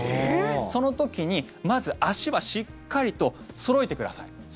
その時にまず、足はしっかりとそろえてください。